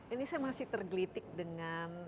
ini saya masih tergelitik dengan